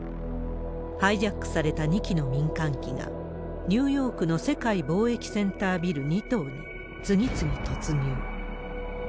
ハイジャックされた２機の民間機が、ニューヨークの世界貿易センタービル２棟に、次々突入。